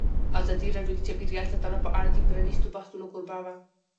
ازادي راډیو د چاپیریال ساتنه په اړه د پرانیستو بحثونو کوربه وه.